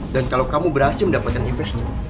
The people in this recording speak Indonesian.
dan kalau kamu berhasil mendapatkan investor